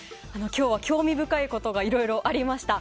今日は興味深いことがいろいろありました。